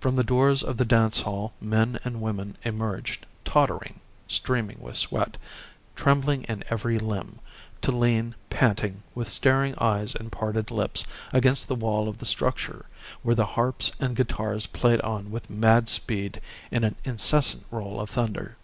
From the doors of the dance hall men and women emerged tottering, streaming with sweat, trembling in every limb, to lean, panting, with staring eyes and parted lips, against the wall of the structure, where the harps and guitars played on with mad speed in an incessant roll of thunder.